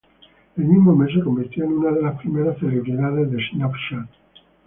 El mismo mes se convirtió en una de las primeras celebridades de Snapchat.